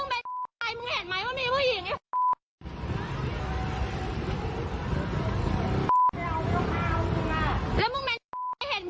ใครมึงเห็นไหมว่ามีผู้หญิง